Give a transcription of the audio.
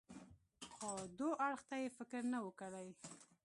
خو دو اړخ ته يې فکر نه و کړى.